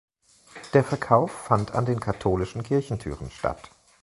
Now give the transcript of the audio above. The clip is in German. Der Verkauf fand an den katholischen Kirchentüren statt.